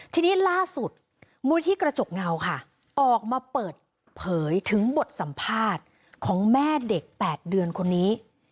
ทีนี้ล่าสุดมูลที่กระจกเงาค่ะออกมาเปิดเผยถึงบทสัมภาษณ์ของแม่เด็ก๘เดือนคนนี้